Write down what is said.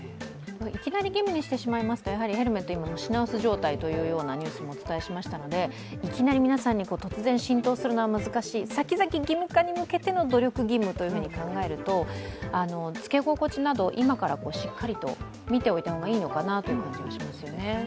いきなり義務にしてしまいますと今、ヘルメットが品薄状態というニュースもお伝えしましたので、いきなり皆さんに突然浸透するのは難しい、先々義務化に向けての努力義務と考えると着け心地など今からしっかりと見ておいたほうがいいのかなという感じがしますよね。